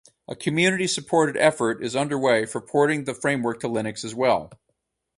A community-supported effort is under way for porting the framework to Linux as well.